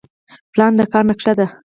پلان د کار نقشه ده